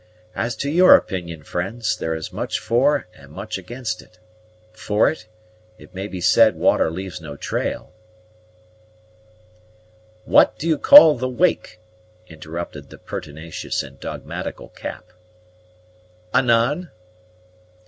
As to your opinion, friends, there is much for and much against it. For it, it may be said water leaves no trail " "What do you call the wake?" interrupted the pertinacious and dogmatical Cap. "Anan?"